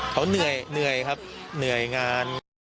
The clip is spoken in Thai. เขาเหนื่อยครับเหนื่อยงาน